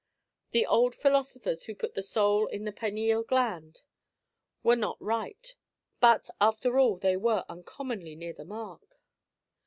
The old philosophers who put the soul in the pineal gland were not right, but after all they were uncommonly near the mark.